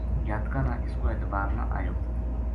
جاتکاں نا اس کو اعتبار نہ آیو